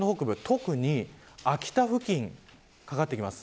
特に秋田付近にかかってきます。